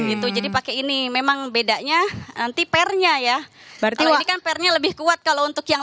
itu jadi pakai ini memang bedanya nanti pernya ya bertiwa kan pernya lebih kuat kalau untuk yang